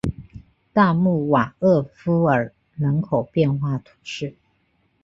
大穆瓦厄夫尔人口变化图示